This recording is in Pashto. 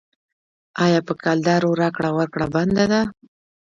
آیا په کلدارو راکړه ورکړه بنده ده؟